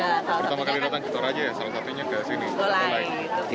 pertama kali datang kota raja ya salah satunya di sini